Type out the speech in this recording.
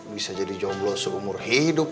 bisa jadi jomblo seumur hidup